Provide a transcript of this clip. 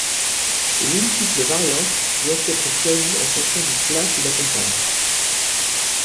Ses multiples variantes doivent être choisies en fonction du plat qu'il accompagne.